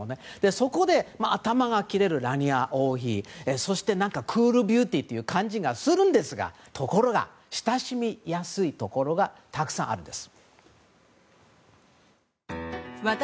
そこで、頭が切れるラーニア王妃そしてクールビューティーという感じがするんですがところが、親しみやすいところがたくさんあるんです。